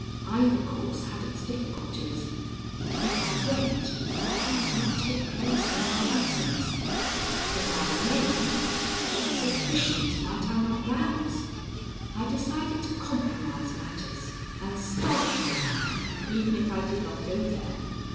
Either course had its difficulties. If I went, what might not take place in my absence! If I remained, what suspicions might I not rouse! I decided to compromise matters, and start for town even if I did not go there.